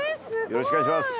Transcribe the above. よろしくお願いします。